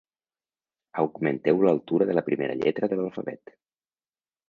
Augmenteu l'altura de la primera lletra de l'alfabet.